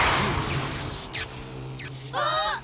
あっ！